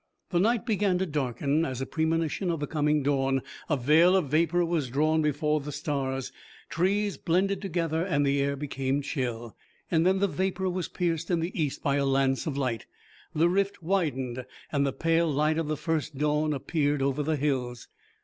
The night began to darken as a premonition of the coming dawn, a veil of vapor was drawn before the stars, trees blended together and the air became chill. Then the vapor was pierced in the east by a lance of light. The rift widened, and the pale light of the first dawn appeared over the hills.